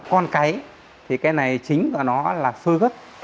con cấy thì cái này chính của nó là sôi gất